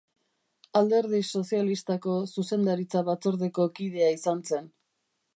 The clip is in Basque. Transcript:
Alderdi Sozialistako zuzendaritza-batzordeko kidea izan zen.